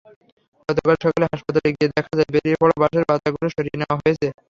গতকাল সকালে হাসপাতালে গিয়ে দেখা যায়, বেরিয়ে পড়া বাঁশের বাতাগুলো সরিয়ে নেওয়া হয়েছে।